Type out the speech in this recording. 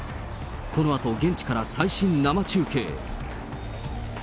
このあと現地から最新生中継。